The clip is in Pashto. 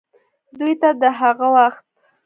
دوې ته دَ هغه وخت